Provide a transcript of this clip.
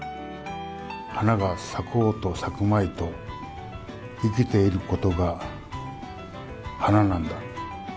花が咲こうと咲くまいと生きていることが花なんだ